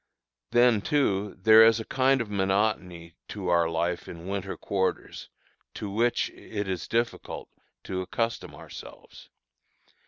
Then, too, there is a kind of monotony to our life in winter quarters, to which it is difficult to accustom ourselves.